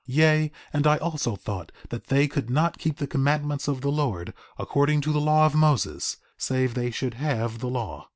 4:15 Yea, and I also thought that they could not keep the commandments of the Lord according to the law of Moses, save they should have the law.